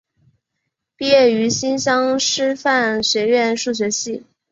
毕业于新乡师范学院数学系。